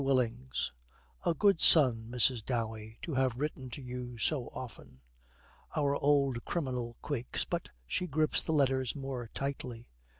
WILLINGS. 'A good son, Mrs. Dowey, to have written to you so often.' Our old criminal quakes, but she grips the letters more tightly.